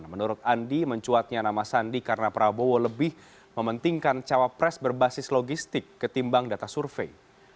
menurut andi mencuatnya nama sandi karena prabowo lebih mementingkan cawapres berbasis logistik ketimbang data survei